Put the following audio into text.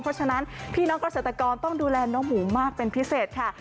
เพราะฉะนั้นพี่น้องเกษตรกรต้องดูแลน้องหมูมากเป็นพิเศษค่ะ